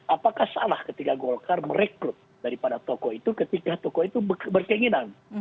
apakah salah ketika golkar merekrut daripada tokoh itu ketika tokoh itu berkeinginan